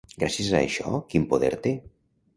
Gràcies a això, quin poder té?